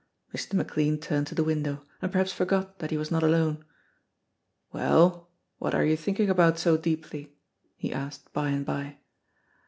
Mr. McLean turned to the window, and perhaps forgot that he was not alone. "Well, what are you thinking about so deeply?" he asked by and by.